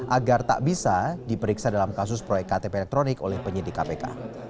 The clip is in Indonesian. agar tak bisa diperiksa dalam kasus proyek ktp elektronik oleh penyidik kpk